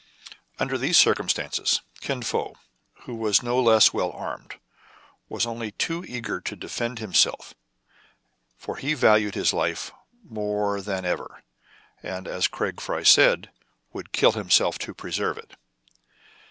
Under these circumstances, Kin Fo, who was no less well armed, was only too eager to defend him self ; for he valued his life more than ever, and, as Craig Fry said, would kill himself to preserve it.